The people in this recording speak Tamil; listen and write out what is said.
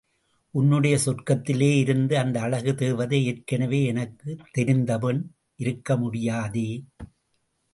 உன்னுடைய சொர்க்கத்திலே இருந்த அந்த அழகு தேவதை ஏற்கெனவே எனக்குத் தெரிந்த பெண்., இருக்க முடியாதே!